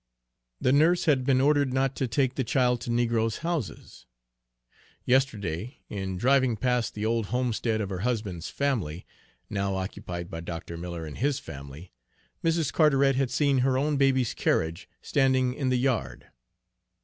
The nurse had been ordered not to take the child to negroes' houses. Yesterday, in driving past the old homestead of her husband's family, now occupied by Dr. Miller and his family, Mrs. Carteret had seen her own baby's carriage standing in the yard.